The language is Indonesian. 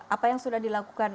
apa yang sudah dilakukan